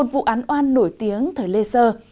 vụ án oan nổi tiếng thời lê sơ